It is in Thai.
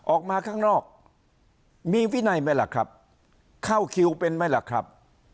ออกมาข้างนอกมีวินัยไหมล่ะครับเข้าคิวเป็นไหมล่ะครับ